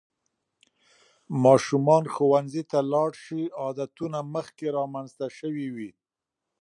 ماشومان ښوونځي ته لاړ شي، عادتونه مخکې رامنځته شوي وي.